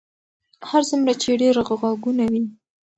هر څومره چې ډېر غږونه وي.